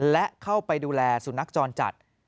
และเข้าไปดูแลสุนัขจรจัด